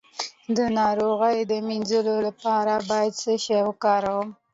د ناروغۍ د مینځلو لپاره باید څه شی وکاروم؟